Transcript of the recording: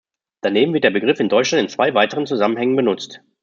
Daneben wird der Begriff in Deutschland in zwei weiteren Zusammenhängen benutzt.